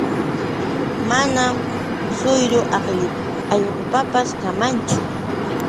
Manam suyru allqullaapapis kamanchu.